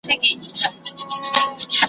چي شاهداني مي د شیخ د جنازې وي وني `